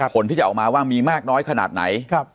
ผลที่จะออกมาว่ามีมากน้อยขนาดไหน